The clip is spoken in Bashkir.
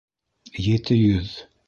Ете йөҙ